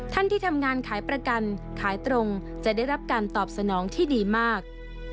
ที่ทำงานขายประกันขายตรงจะได้รับการตอบสนองที่ดีมาก